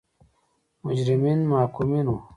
مجرمین محکومین وو.